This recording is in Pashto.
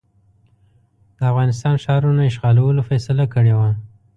د افغانستان ښارونو اشغالولو فیصله کړې وه.